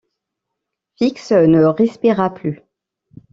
Fix ne respira plus.